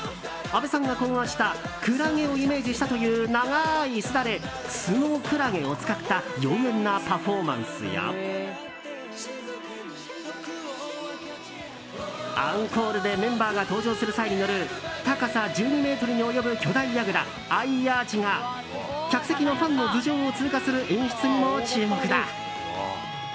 阿部さんが考案したクラゲをイメージしたという長いすだれスノクラゲを使った妖艶なパフォーマンスやアンコールでメンバーが登場する際に乗る高さ１２ｍに及ぶ巨大やぐらアイアーチが客席のファンの頭上を通過する演出にも注目だ。